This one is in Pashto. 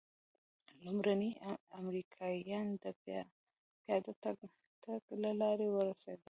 لومړني امریکایان د پیاده تګ له لارې ورسېدل.